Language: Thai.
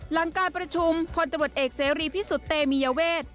หลังการประชุมพลตำรวจเอกเสรีพิสุทธิ์เตมียเวท